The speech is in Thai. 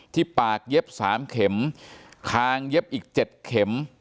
ที่ปากเย็บ๓เข็มคางเย็บอีก๗เข็ม